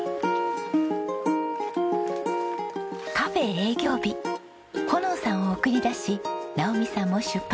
カフェ営業日穂の生さんを送り出し直己さんも出発です。